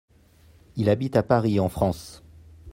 Il habite à Paris en France.